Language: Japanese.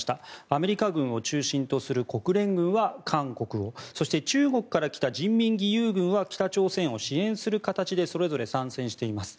アメリカ軍を中心とする国連軍は韓国をそして中国から来た人民義勇軍は北朝鮮を支援する形でそれぞれ、参戦しています。